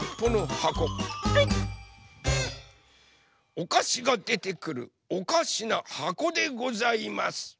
おかしがでてくるおかしなはこでございます。